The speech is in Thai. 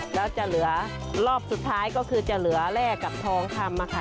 แล้วจะเหลือรอบสุดท้ายก็คือจะเหลือแลกกับทองคำค่ะ